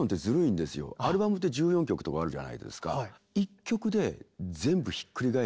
アルバムって１４曲とかあるじゃないですか。